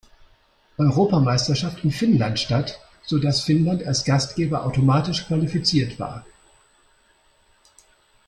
Europameisterschaft in Finnland statt, so dass Finnland als Gastgeber automatisch qualifiziert war.